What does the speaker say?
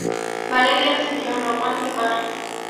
Valeria decidió no participar.